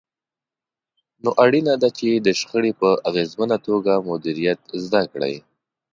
نو اړينه ده چې د شخړې په اغېزمنه توګه مديريت زده کړئ.